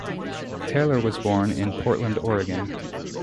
Taylor was born in Portland, Oregon.